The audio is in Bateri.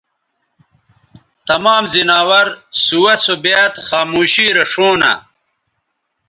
تمام زناور سُوہ سو بیاد خاموشی رے ݜؤں نہ